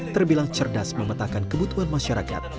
terbilang cerdas memetakan kebutuhan masyarakat